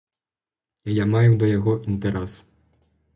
Я маю да яго інтэрас.